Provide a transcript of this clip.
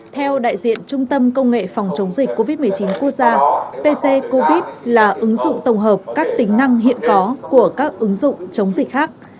theo đại diện trung tâm công nghệ phòng chống dịch covid một mươi chín quốc gia pc covid là ứng dụng tổng hợp các tính năng hiện có của các ứng dụng chống dịch khác